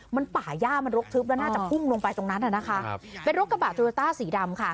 มันป่าย่ามันรกทึบแล้วน่าจะพุ่งลงไปตรงนั้นน่ะนะคะเป็นรถกระบะโตโยต้าสีดำค่ะ